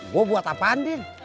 gua buat apaan din